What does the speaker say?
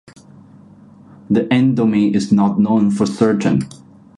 The endonym is not known for certain.